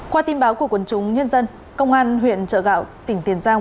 qua tin báo của quần chúng nhân dân công an huyện trợ gạo tỉnh tiền giang